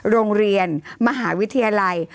โรงเรียนมหาวิทยาลัย